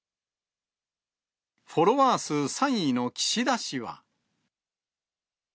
フォロワー数３位の岸田氏は。